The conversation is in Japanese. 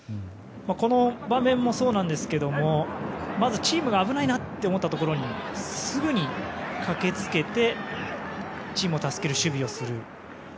この場面もそうなんですけどチームが危ないなと思ったところにすぐに駆け付けてチームを助ける守備をする。